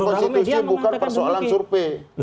bukan persoalan survei